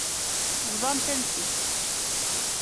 Bḍant-am-tt-id.